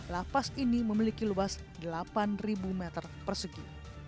lapas ini memiliki luas delapan meter persegi